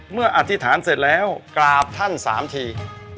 อธิษฐานเสร็จแล้วกราบท่าน๓ที